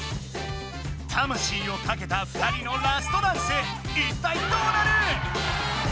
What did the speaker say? たましいをかけた２人のラストダンスいったいどうなる⁉